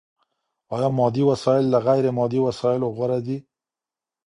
ايا مادي وسايل له غير مادي وسايلو غوره دي؟